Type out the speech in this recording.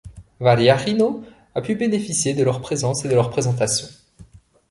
Vallarino a pu bénéficier de leur présence et de leurs présentations.